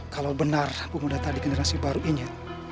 kalau benar pemuda tadi generasi baru ini